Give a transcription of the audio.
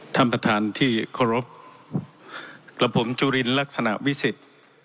ท่านประธานที่เคารพกับผมจุลินลักษณะวิสิทธิ์